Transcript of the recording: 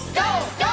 ＧＯ！